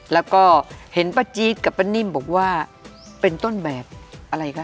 แล้วก็เห็นป้าจี๊ดกับป้านิ่มบอกว่าเป็นต้นแบบอะไรคะ